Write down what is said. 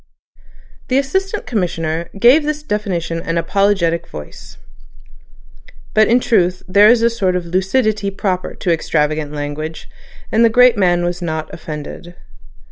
The Assistant Commissioner gave this definition in an apologetic voice. But in truth there is a sort of lucidity proper to extravagant language, and the great man was not offended.